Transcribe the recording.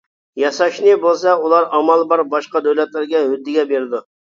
ياساشنى بولسا ئۇلار ئامال بار باشقا دۆلەتلەرگە ھۆددىگە بېرىدۇ.